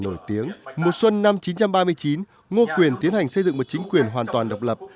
nổi tiếng mùa xuân năm một nghìn chín trăm ba mươi chín ngô quyền tiến hành xây dựng một chính quyền hoàn toàn độc lập